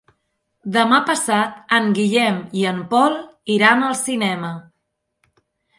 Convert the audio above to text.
Demà passat en Guillem i en Pol iran al cinema.